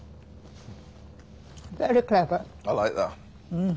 うん。